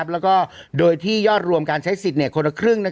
แล้วก็โดยที่ยอดรวมการใช้สิทธิ์คนละครึ่ง